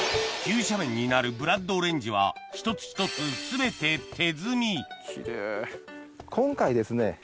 急斜面になるブラッドオレンジは一つ一つ全て今回ですね